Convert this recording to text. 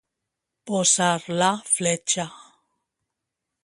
Posar la fletxa.